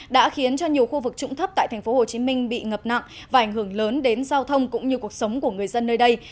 đã khiến cho nhiều khu vực trũng thấp tại tp hcm bị ngập nặng và ảnh hưởng lớn đến giao thông cũng như cuộc sống của người dân nơi đây